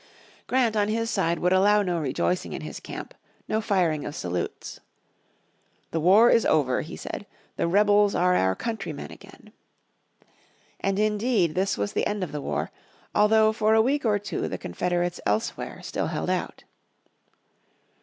Grant on his side would allow no rejoicing in his camp, no firing of salutes. "The war is over," he said, "the rebels are our countrymen again." And indeed this was the end of the war, although for a week or two the Confederates elsewhere still held out.